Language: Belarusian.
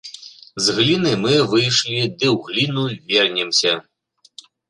З гліны мы выйшлі ды ў гліну вернемся.